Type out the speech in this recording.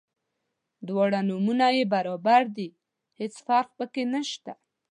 دواړه نومونه یې برابر دي هیڅ فرق په کې نشته.